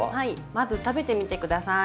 まず食べてみて下さい。